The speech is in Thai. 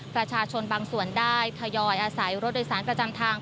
ประชาชนบางส่วนได้ทยอยอาศัยรถโดยสารประจำทาง